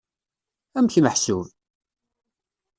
Amek meḥsub?